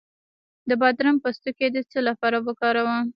د بادرنګ پوستکی د څه لپاره وکاروم؟